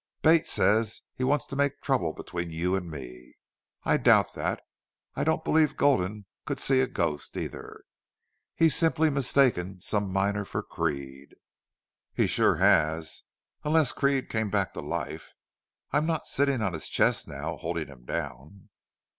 Bate says he wants to make trouble between you and me. I doubt that. I don't believe Gulden could see a ghost, either. He's simply mistaken some miner for Creede." "He sure has, unless Creede came back to life. I'm not sitting on his chest now, holding him down."